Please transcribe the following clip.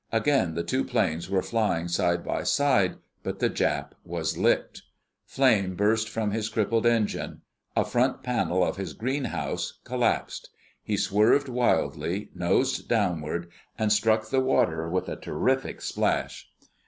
Again the two planes were flying side by side, but the Jap was licked. Flame burst from his crippled engine. A front panel of his "greenhouse" collapsed. He swerved wildly, nosed downward, and struck the water with a terrific splash.